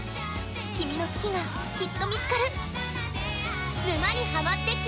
君の好きが、きっと見つかる。